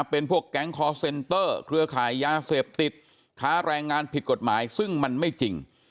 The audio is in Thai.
เป็นพวกแก๊งคอร์เซนเตอร์เครือขายยาเสพติดค้าแรงงานผิดกฎหมายซึ่งมันไม่จริง